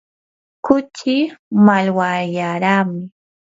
kuchii mallwallaraami.